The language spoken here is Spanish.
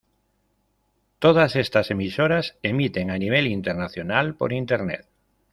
Todas estas emisoras emiten a nivel internacional por internet.